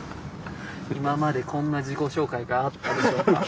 今までこんな自己紹介があったでしょうか。